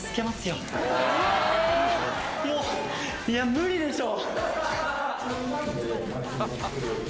無理でしょ。